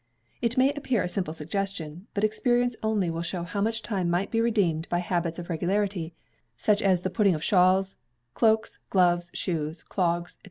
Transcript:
It may appear a simple suggestion, but experience only will show how much time might be redeemed by habits of regularity: such as putting the shawls, cloaks, gloves, shoes, clogs, &c.